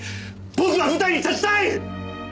僕は舞台に立ちたい！！